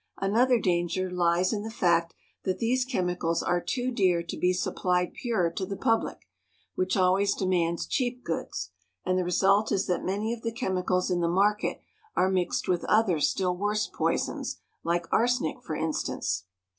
Another danger lies in the fact that these chemicals are too dear to be supplied pure to the public, which always demands cheap goods, and the result is that many of the chemicals in the market are mixed with other still worse poisons, like arsenic, for instance.